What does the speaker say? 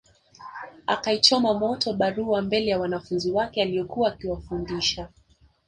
Akaichoma moto barua mbele ya wanafunzi wake aliokuwa akiwafundisha